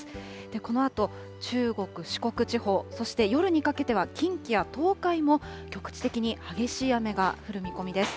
このあと、中国、四国地方、そして夜にかけては近畿や東海も、局地的に激しい雨が降る見込みです。